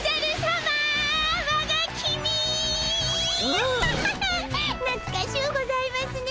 アハハハッなつかしゅうございますね